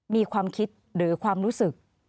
มีความคิดหรือความรู้สึก